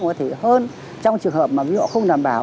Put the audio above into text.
có thể hơn trong trường hợp mà ví dụ không đảm bảo